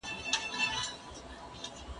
که وخت وي، تمرين کوم!؟